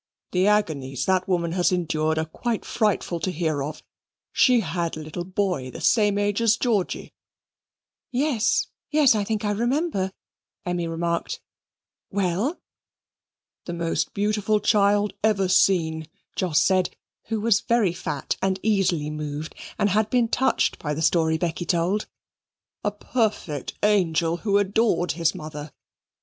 "The agonies that woman has endured are quite frightful to hear of. She had a little boy, of the same age as Georgy." "Yes, yes, I think I remember," Emmy remarked. "Well?" "The most beautiful child ever seen," Jos said, who was very fat, and easily moved, and had been touched by the story Becky told; "a perfect angel, who adored his mother.